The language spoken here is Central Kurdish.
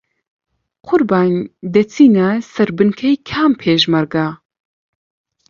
قوربان دەچینە سەر بنکەی کام پێشمەرگە؟